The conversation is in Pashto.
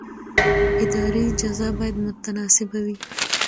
اداري جزا باید متناسبه وي.